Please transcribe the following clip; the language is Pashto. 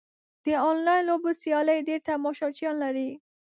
د انلاین لوبو سیالۍ ډېر تماشچیان لري.